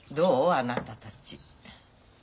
あなたたち。